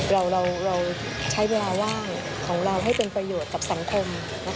เราใช้เวลาว่างของเราให้เป็นประโยชน์กับสังคม